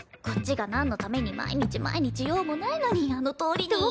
こっちが何のために毎日毎日用もないのにあの通りに。